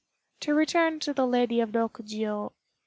To return to the Lady of Rokjiô.